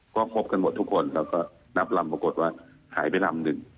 ก็ครบทั้งหมดทุกคนแล้วนับลำแห่งเป็นลำหนึ่ง